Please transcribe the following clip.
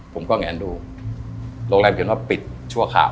ผมก็แงนดูโรงแรมเขียนว่าปิดชั่วคราว